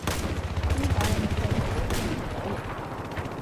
中华人民共和国电影导演。